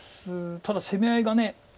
ただ攻め合いが。